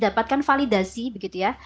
jadi dapatkan validasi begitu ya